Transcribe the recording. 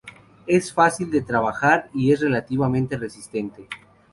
Es fácil de trabajar y es relativamente resistente.